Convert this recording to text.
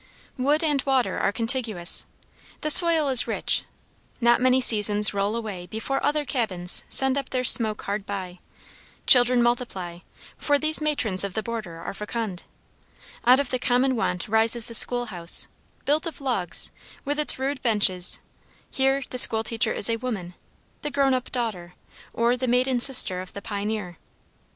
Wood and water are contiguous: the soil is rich: not many seasons roll away before other cabins send up their smoke hard by: children multiply, for these matrons of the border are fecund: out of the common want rises the schoolhouse, built of logs, with its rude benches: here the school teacher is a woman the grown up daughter, or the maiden sister of the pioneer.